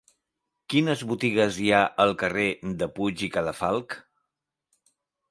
Quines botigues hi ha al carrer de Puig i Cadafalch?